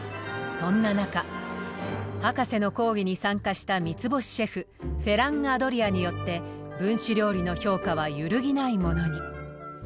そんな中博士の講義に参加した３つ星シェフフェラン・アドリアによって分子料理の評価は揺るぎないものに。